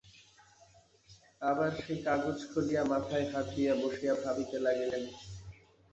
আবার সেই কাগজ খুলিয়া মাথায় হাত দিয়া বসিয়া ভাবিতে লাগিলেন।